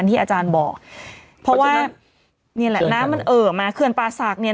ที่อาจารย์บอกเพราะว่านี่แหละน้ำมันเอ่อมาเขื่อนป่าศักดิ์เนี่ย